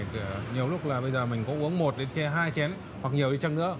nhiều lúc là bây giờ mình có uống một hay hai chén hoặc nhiều đi chăng nữa